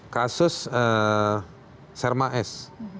kasus serma s